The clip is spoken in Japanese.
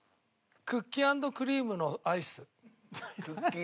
クッキー＆クリームのアイス。